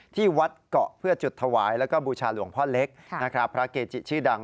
ที่วัดเกาะเพื่อจุดถวายแล้วก็บูชาหลวงพ่อเล็กพระเกจิชื่อดัง